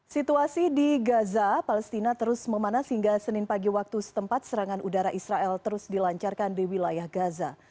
situasi di gaza palestina terus memanas hingga senin pagi waktu setempat serangan udara israel terus dilancarkan di wilayah gaza